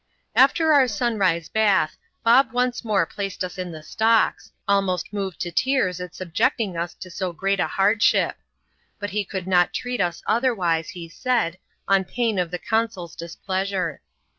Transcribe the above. After our sunrise bath. Bob once more placed us in the stocb, almoBt moved to tears at subjecting us to so great a hardship; but he could not treat us otherwise, he said^ on pain of ^e consul's displeasure.